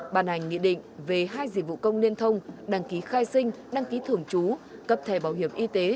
bàn hành nghị định về hai dịch vụ công liên thông đăng ký khai sinh đăng ký thường trú cấp thẻ bảo hiểm y tế